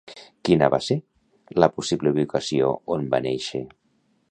Quina va ser la possible ubicació on va néixer?